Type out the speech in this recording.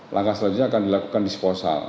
langkah selanjutnya akan dilakukan disposal